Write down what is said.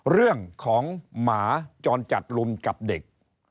เรื่องของหมาจรจัดลุมกับเด็ก